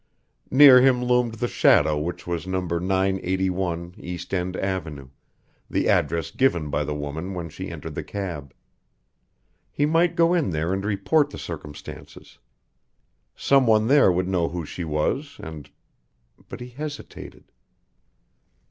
Near him loomed the shadow which was No. 981 East End Avenue the address given by the woman when she entered the cab. He might go in there and report the circumstances. Some one there would know who she was, and but he hesitated.